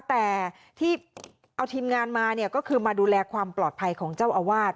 แต่ที่เอาทีมงานมาเนี่ยก็คือมาดูแลความปลอดภัยของเจ้าอาวาส